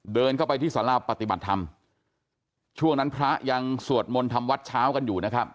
เดินเข้าไปที่สาราปฏิบัติธรรมช่วงนั้นพระยังสวดมนต์ทำวัดเช้ากันอยู่นะครับ